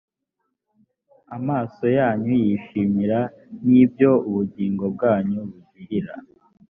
amaso yanyu yishimira n ibyo ubugingo bwanyu bugirira